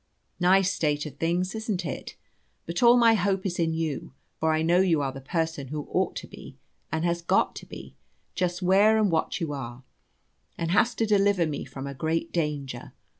Nice state of things, isn't it? But all my hope is in you. For I know you are the person who ought to be, and has got to be, just where and what you are, and has to deliver me from a great danger.